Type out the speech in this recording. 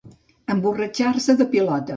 Emborratxar-se de pilota.